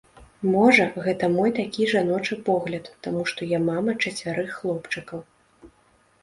Можа, гэта мой такі жаночы погляд, таму што я мама чацвярых хлопчыкаў.